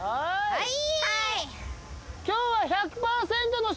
はい。